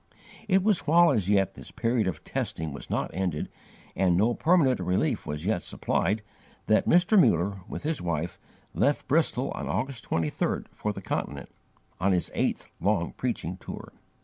It was while as yet this period of testing was not ended, and no permanent relief was yet supplied, that Mr. Muller, with his wife, left Bristol on August 23rd, for the Continent, on his eighth long preaching tour.